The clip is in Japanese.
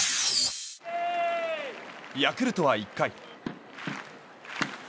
ヤクルトは１回。